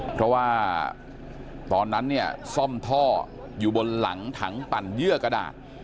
เพราะว่าตอนนั้นเนี่ยซ่อมท่ออยู่บนหลังถังปั่นเยื่อกระดาษ